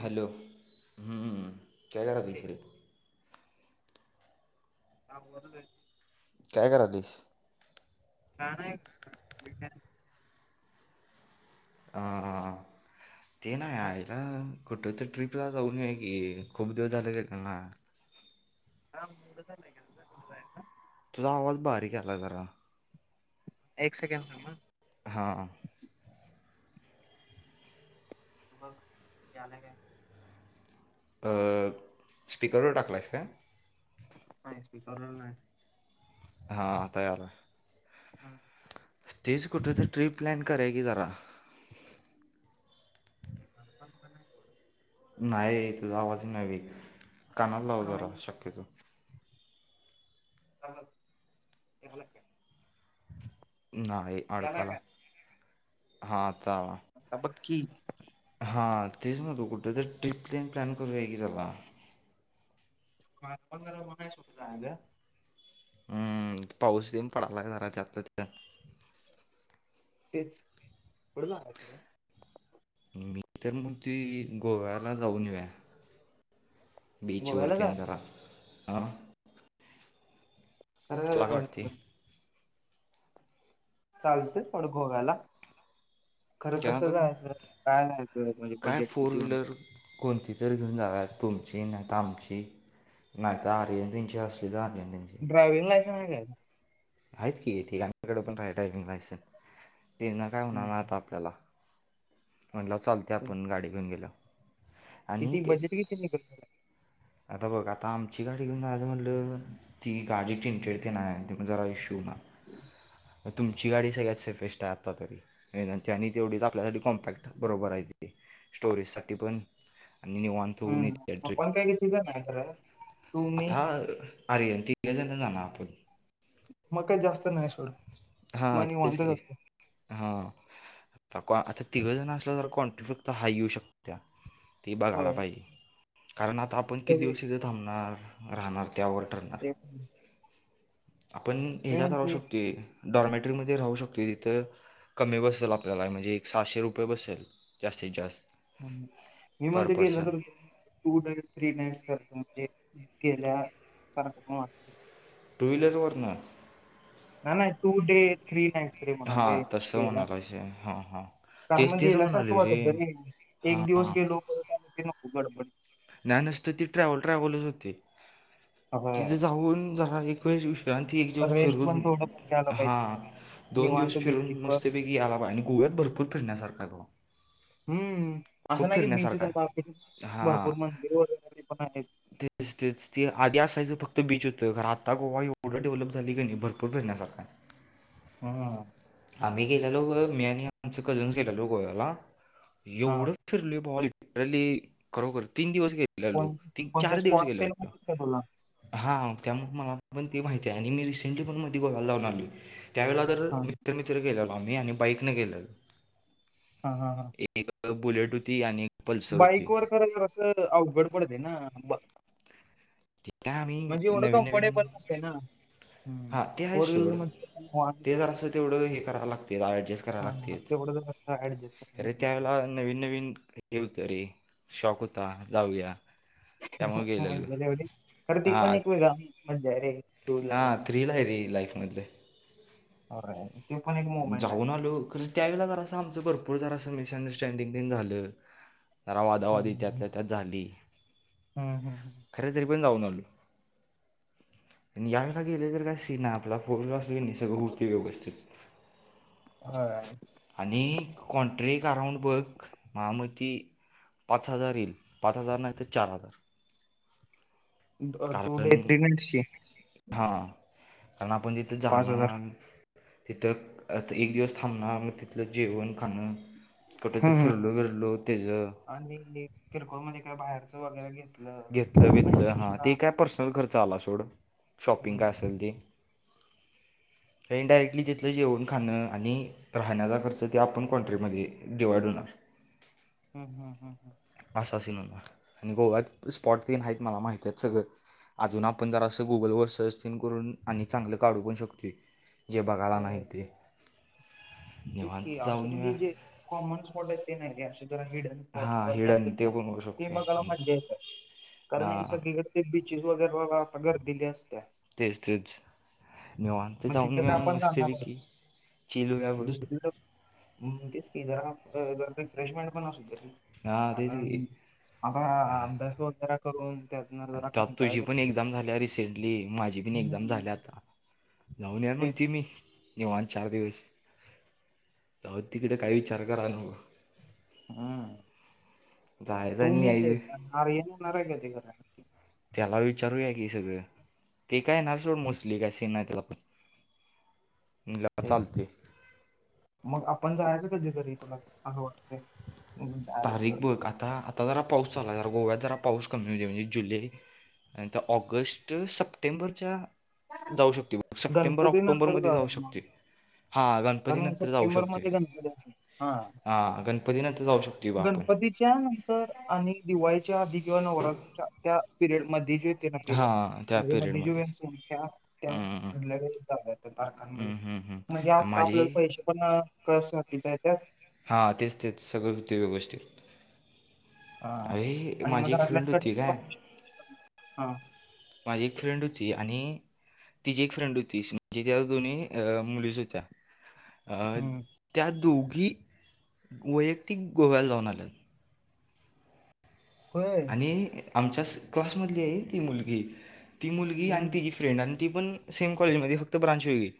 Hello! हम इकडे [unintelligible] हा बोलालोय. काय करालीसं? का नाही [unintelligible] हा हा हा ते ना आयला. कुठं तर ट्रीपला जाऊन येऊया की खूप दिवस झाले त्यांना हां उडत [unintelligible] तुझा आवाज बारीक यालाय जरा. एक सेकेंद थांब. हां. बघ यालाय काय? अ स्पीकरवर टाकलायस काय? नाही स्पीकर वर नाई. हां आता यालाय. हा. तेचं कुठं तर ट्रिप प्लॅन करूया कि जरा. [unintelligible] नाही सोड नाही तुझा आवाजही नव्हे कानाला लाव जरा माहिती शक्यतो. [unintelligible] ला काय? नाही याला काय अडकालाय हां आता आला. आता बग की. हा तेच म्हणतो कुठं तर ट्रिप तेन प्लॅन करूया की जरा. [unintelligible] हम्म पाऊस तेन पडलाय जरा त्यातल्या त्यात. तेच [unintelligible] मी तर म्हणतोय की गोव्याला जाऊन येऊ या. गोव्याला जा बीचवरतीन जरा. तुला काय खरं वाटतय. चालते थोडं गोव्याला खरं कसं त्यानंतर जायचं? काय नाही तेच म्हणजे काय बजेट फोर किती होण व्हीलर कोणती तर घेऊन जाऊयात तुमची नाही तर आमची. नाही तर आर्यन त्याची असली तर अर्यन त्येंची. ड्रायव्हिंग लायसन हाय का हेज. आहेत की [unintelligible] हाय ड्रायविंग लायसन तेना काय होणार नाही हम्म. आता आपल्याला. म्हटलं चालतय आपण गाडी घेऊन गेल्यावर किती बजेट किती निघल खर आता बघ आता आमची गाडी घेऊन जायचं म्हटलं ती गाडी चिंटेडतेन हाय तेण पण जरा इशू होणार. तुमची गाडी सगळ्यात सेफेस्ट आहे आत्ता तरी ना आणि तेवढीच आपल्यासाठी कॉम्पॅक्ट बरोबर आहे ती. स्टोरेजसाठी पण आणि निवांत. हम्म [unintelligible] एन्ट्री आपण काय किती जण नाही खरं तू मी आथा आहे तिथल्या जणा जा ना आपण - म काय जास्त नाही सोड. हा मग तेच निवांतच की. असतो हा आता आता तिघं जण असल्यावर क्वांटि फक्त हाय येऊ शकतो त्या ते बघायला होय पाहिजे कारण आता आपण किती तरी दिवशी थांबणार राहणार त्यावर ठरणार [inaudible] आपण मी ह्याच्यात राहू म्हणते शकतोय डॉर्मेटरीमध्ये राहू शकतोय तिथं. कमी बसल आपल्याला म्हणजे एक सहाशे रुपये बसल जास्तीत जास्त. हम् मी पर म्हणत गेलं पर्सन तर [unintelligible] टू नाइट थ्री नाइट सारख म्हणजे गेल्या सारख पण वाटतय. टू व्हीलर वर न नाही नाही, टू डे थ्री नाईन हा तसं म्हणालायस व्हय, हा हा. कारण मग गेल्यासारखं वाटत रे, हां एक दिवस गेलो [unintelligible] नको बडबड. नाय नुसतं ती ट्रॅव्हल ट्रॅव्हलच होते, होय तिथं जाऊन जरा एक [unintelligible] [unintelligible] ती एक दिवस रेस्ट फिरून, पण थोडं पण घ्यायला हा पाहिजे म्हणाय. दोन दिवस निवांत फिरून बीचीस वर मस्तपैकी [unintelligible] आणि गोव्यात भरपूर फिण्यासारखं हाय बवा. हम्म, असं नाही की बीचच फिरण्यासारखं आहे [unintelligible] हां भरपूर मंदिर वगैरे पण आहेत. तेच ती आधी असायचं फक्त बीच होतं, खरं आता गोवा एवढं डेव्हलप झाली की नाही भरपूर फिरण्यासारखं हाय. [inaudible] हा आम्ही गेलेलो बघ, मी आणि आमचे कझन्स गेलेलो गोव्याला. हा एवढं फिरलोय बवा लिटरली, खरोखर तीन दिवस गे लेलो, कोण ती कोणते चार दिवस स्पॉट ते गेलेलतो. माहिती का तुला हा त्यामुळे मला पण ते माहिती आहे, आणि मी रिसेंटली पण मधी बगायला जाऊन आलोय, त्यावेळेला तर हा मित्र-मित्र गेलेलो आम्ही, आणि बाईकने गेलेलो. हा. एक बुलेट होती आणि एक पल्सर होती बाईक वर खर असं अवघड पडते ना त्या आम्ही नवीन नवीन ते ना हम्म हा ती आहेच फोर व्हीलर सोड, मध्ये तर ते निवांत जरासं तेवढं हे करावं लागते ऍडजेस्ट हा करायला हा लागतेच तेवढं जर असं ऍडजस्ट अरे हम्म. त्यावेळेला नवीन नवीन गेलतो रे, शॉक होता जाऊया. त्यामुळे गेलेलो मज्जा तेवढी, खरं ती हा पण एक वेगळा मज्जा आहे रे. टू हा, व्हीलरवरनं थ्रील आहे रे लाईफमधलं. अरे, ती पण एक मूमेंट आहे. हॅलो! [unintelligible] त्यावेळेला जरा असं आमचं भरपूर जरासं मिसअंडरस्टँडिंग तेन झालं, जरा वादावादी त्यातल्या त्यात झाली. हम्म हम्म हम्म खरं तरी पण जाऊन आलो. यावेळेल गेले तर काय सीन हाय आपला फोर [unintelligible] सगळं होतेय व्यवस्थित. आणि कॉन्ट्रिक का राउंड बघ, हा मग ती पाच हजार येईल, पाच हजार नाहीतर चार हजार. टू कार्डन, डे थ्री नाईट्सची हा कारण आपण तिथं पाच हजार जाणार तिथं आ एक दिवस थांबण मग तिथलं जेवण खाणं. कुठंतर हम्म, हम्म. फिरलो बिरलो त्याचं आणि [unintelligible] किरकोळ मध्ये काय बाहेरचं वगैरे घे घेतलं बितलं हा, ते काय पर्सनल खर्च एक्स्ट्रा आला सोड, शॉपिंग हम्म काय असेल ती. कायनी डायरेक्टली तिथलं जेउन खाणं आणि राहण्याचा खर्च ते आपण कौंट्रीमध्ये डिवाइड होणार. हम्म हम्म हम्म हम्म असा सिन होणार, आणि गोव्यात स्पॉट तेन मला माहित आहेत सगळं. अजून आपण जरासं गुगलवर सर्च सिन करून, आणि चांगलं काढू पण शकतोय. जे बघायला नाही खरंय. ते. तेच की, निवांत असे जाऊन पण येऊया जे जे कॉमन स्पॉट आहेत ते नाही, असे जरा हिडन स्पॉट [unintelligible] हां ते असतात हिडन ते ना, पण होऊ ते शकतो बघायला मज्जा येतं, कारण हे हां सगळीकड ते बिचेस वगैरेला आता गर्दी लय असत्या. तेच तेच, निेवांत मग जाऊन तिथं तर येऊया आपण जाणारच मस्तपैकी, चि [unintelligible] [unintelligible] हम्म तेच की जरा अ गर्दन फ्रेश होयला पण असुद्या रे. हा तेच की. कारण आता ह अभ्यास वगैरे करून त्यातनं जरा कंटाळा तुझी पण येतो. एक्झाम झाल्या रिसेंट- ली माझी बी एक्झाम हम्म, झाली आता जाऊन या म्हण तेच ती मी. निवांत चार दिवस तेव्हा तिकडे कायही विचार कराय नको. हम्म जायचं तू आणि मी यायचं येणार न कचे घरा आण- त्याला विचारूया की सगळं ते काय येणार सोड मोस्टली काय सीन नाय त्याला पण- म्हणलं तेच चालते मग आपण जायचं का कधी तरी तुला असं वाटतय? तारीख बघ आता आता जरा पाऊस चालू हाय गोव्यात जरा पाऊस कमी होऊदे म्हणजे जुलै- नाही त ऑगस्ट सप्टेंबरच्या- जाऊ शकते सप्टेंबर गणपती नंतर ऑक्टोबरमध्ये जाऊ जाऊया मग शकतोय. कारण सप्टेंबर मध्ये गणपती हा- हां गणपतीनंतर जाऊ शकते बा आपण गणपतीच्या नंतर आणि दिवाळीच्या आधी किंवा नवरात्राच्या त्या पिरियड मध्ये जे- [unintelligible] हां त्या म्हजे पिरियडमध्ये हम्म, [unintelligible] पार्कांमध्ये हम्म, हम्म, हम्म. म्हणजे आणि आता आपल्याला माझी पैसे पण [unintelligible] येत्यात- हां तेच तेच सगळं होतंय व्यवस्थित. हा अरे आणि माझी मग एक फ्रेंड होती आपल्या काय [unintelligible] ह माझी एक फ्रेंड होती आणि- तिची एक फ्रेंड होती त्या दोन्ही अ मुलीच होत्या. अ हम्म त्या दोघी वैयक्तिक गोव्याला जाऊन आल्यात. होय. ती आमच्यास क्लासमधली आहे ती मुलगी ती मुलगी आणि हम्म ती- फ्रेंड आणि ती पण सेम कॉलेजमध्ये फक्त ब्रांच वगेळी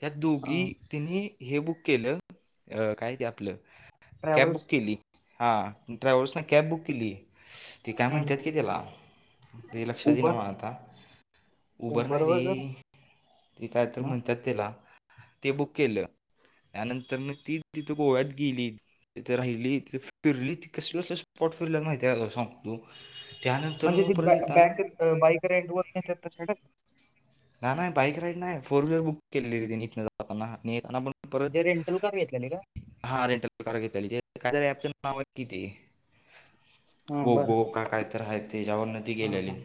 त्या हा दोघी- तिनी हे बुक केलं काय ते आपलं कॅब बुक ट्रॅव्हल्स केली. हां ट्रॅव्हल्सन कॅब बुक केली. ते काय म्हणतात की त्याला, ते लक्षात इना उबर मला आता उबर नाही रे ते काय तर ना, म्हणतात त्याला ते बुक केलं. त्यानंतर ती तिथं गोव्यात गेलीत. तिथ राहिलीत ते फिरली कसलं कस स्पाट फिरल्यालत माहिती आहे सांग- त्यानंतर मग परत येताना- अ बाईक रेंटत नाहीच्या तर छडत- ह नाही बाईक राईड नाही फोर व्हीलर बुक केलेली आहे ती इथणं जाताना आणि येताना पण- परत म्हणजे रेंटल कार घेतलेली का? हा रेट- घ काच नाव किती हा गो बरं गो का काय तर आहे ते ज्यावर न ती हा हा गेलेलीत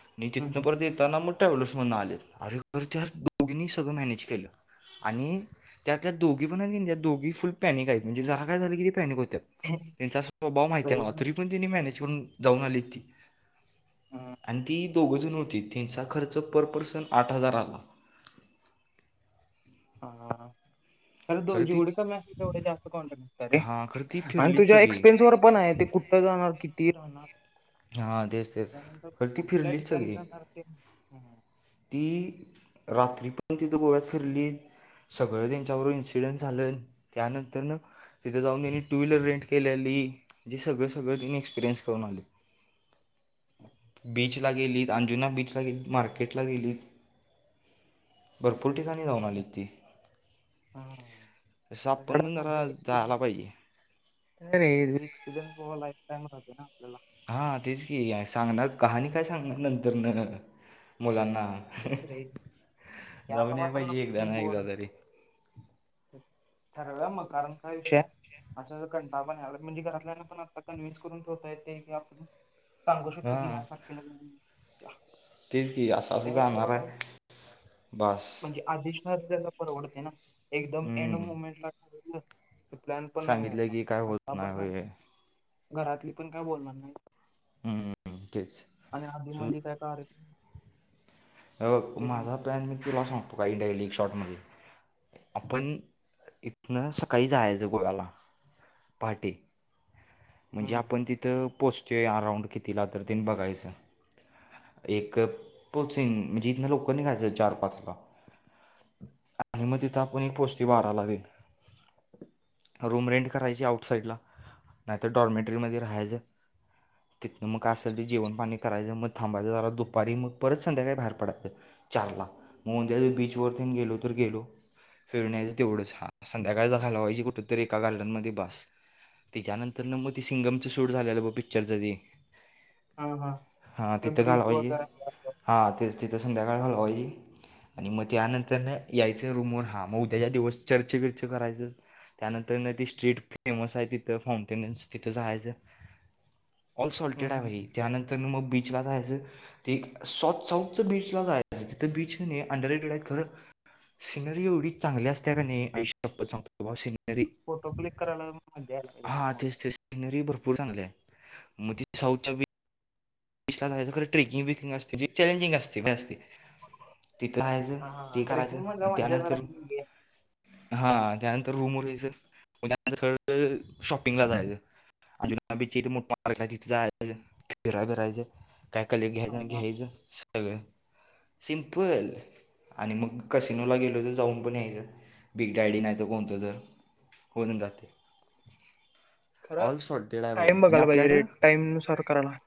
आणि तिथनं हम्म. परत ये- ताणा मग ट्रॅव्हलस माधन आल्या एकतर दोघीनी सगळं मॅनेज केलं. आणि त्यातल्या दोघी पण त्या दोघी फुल पॅनिक आहेत, म्हणजे जरा काय झालं की ते पॅनिक होत्यात. त्यांचा स्वभाव माहिताय आहे मला तरी पण त्यांनी मॅनेज करून जाऊन आलीती. हा आणि ती दोघजण होती त्यांचा खर्च पर पर्सन आठ हजार आला. हा खर दो जेवडी कमी अस तेवढ जास्त कोंट- हा खरं ती फिरलीत सगळी पण आहे ते कुठं जाणार किती राहणार? हां तेच तेच त्यानंतर खरं ती कुठल्या फिरलीच ठिकाणी सगळी जाणार ते- ती रात्री पण तिथं गोव्यात फिरलीत. सगळं त्यांच्यावर इन्सिडंट झालं त्यानंतर न- तिथे जाऊन त्यांनी टू व्हीलर रेंट केल्याली ते सगळं सगळं त्यांनी एक्स्पिरियन्स करून आलीत. ह बीच ला गेलीत अंजुना बीच ला गेली मार्केटला गेलीत. भरपूर ठिकाणी जाऊन आलीत ती. हम तसं आपण पण त्याच्यान मजा जरा एक्सपिर- जायला पाहिजे नाही रे ते एक्स्पेरिअन्स लाफटाइम राहतोय ना आपल्याला. हां तेच की सांगणार कहाणी काय सांगणार नंतर न मुलांना तेच रे अहं ते जाऊन याय पाहिजे एकदा ना एकदा तरी. ठरव्याव मगं कारण काय विषय हाय अस असं कंटाळा पण याला म्हणजे घरातल्याना पण आता कन्व्हन्स करून ठेवता येतय की आपण सांगू शकतो की ह्या हां ह्या तारखेला तेच की असं असं त्या जाणार हिशोबानं हाय बास. आधिष्ठ त्याला परवडते ना एकदम एंड हम्म. मोमेंट ला ठरवलं ते प्लॅन पण नाही सांगितलं व्हायचा की काय होत आता नाही पासन होय हम्म, घरातली पण काय बोलणार नाही. हम्म हम्म तेच. आणि आधी सो मधी काय का हबग पण माझा बघतील. पॅन मी तुला सांगतो काय डायलिक शॉर्ट मध्ये आपण इथनं सकाळी जायचं गोव्याला पहाटे. म्हणजे हम्म आपण तिथं पोचतोय अराऊंड कितीला तर तेन बघायचं. ते एक पोचिग म्हणजे इथन लवकर निघायचं चार, पाच ला. मग तिथं आपण पोचतोय बाराला तेन. रूम रेंट करायची आउट साइडला नाहीतर डॉर्मेटरीमध्ये राहायचं. तिथनं मग असेल ते जेवण, पाणी करायचं मग थांबायचं जरा दुपारी मग परत संध्याकाळी बाहेर पडायचं. चारला मग तउद्या तेन बीच वरती गेलो तर गेलो. फिरून यायचं तेवढंच हा संध्याकाळचा घालावायची कुठ तरी एका गार्डनमध्ये बास. त्याच्यानं तर न मग सिंगमची शूट झालेलं बघ पिक्चरच ते हा हा हा ते तिथं ब्रिज घालवायची. वगैरे हा तेच तिथं संध्याकाळ घालवायची. आणि मग त्यानंतर न यायचं रूमवर हा मग उद्या दिवस चर्चेविरचे करायचं त्यानंतर न ती स्ट्रीट फेमस आहे तिथं फॉम टेन्स तिथ जायचं ऑल सॉल्टेड आहे भाई त्यानंतर मग बीचला जायचं. ते सोथ साउथ बीचला जायचं तिथं बीच किनी अनडरेटेड हायत खरं सिनरी एवढी चांगली असत्या कनी आईशप्पथ सांग वॉस सिनरी. फोटो क्लिक करायला मज्जा यायला हां पाहिजे तेच ते सिनरी भरपूर चांगली हाय. म ते साउथ बीच ला जायचं खरं ट्रेकिंग विकिंग असते जे चॅलेंजिंग असतय हे असतय. तिथं राहायचं हा हा ते ट्रेकिंग करायचं मधला आणि मजा जरा त्यानंतर वेगळी आहे. हा त्यानंतर रूमवर यायचं. त्यानंतर म थर्ड शॉपिंगला जायचं. अजुनाबा बीची इथे मोठ पार्क आहे तिथे जाय फि फिराय बिरा करायच काय कले हा, घ्यायचं आणि हा. घ्यायचं सगळं सिम्पल आणि मग कसिनोला गेलो तर जाऊन पण यायचं बिग डायडी नाही तर कोणतं तर होणून जातंय. खरं ऑल सॉल्टेड आहे भाई टाइम आणि बघायला पाहिजे आपल्याकड [unintelligible] नुसार करायला.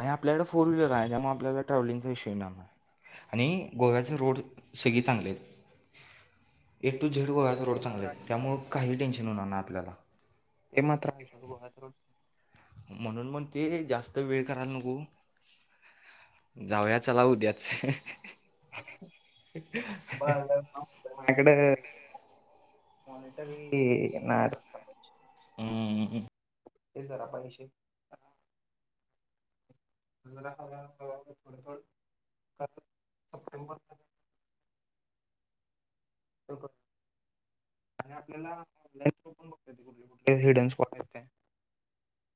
आणि आपल्याकडं फोर व्हीलर आहे. त्यामुळे आपल्याला ट्रॅव्हलिंगचा विषय नाही आहे आणि गोव्याच रोड सगळी चांगली हायत. ए टू झेड होय गोव्याचा रोड ते चांगले मात्र आहे आहेत सोड. त्यामुळं काही टेन्शन होणार नाही आपल्याला. हे मात्र [unintelligible] गोव्याचा रोड म्हणून म्हणतोय जास्त वेळ करायला नको. जाऊया चला उद्याच. [unintelligible] मायाकड मॉनिटरी णार. हम्म हम्म. ते जरा पाहिजे. [unintelligible] सप्टेबर [unintelligible] आणि आपल्याला ऑनलाईनो पण बघत कुठले कुठले हिडन स्पॉट आहेत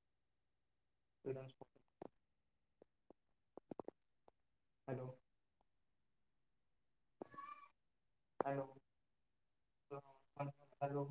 ख [unintelligible] हॅलो [inaudible] हॅलो हॅलो हे हॅलो